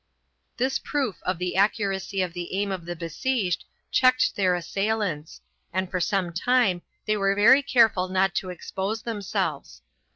This proof of the accuracy of the aim of the besieged checked their assailants, and for some time they were very careful not to expose themselves.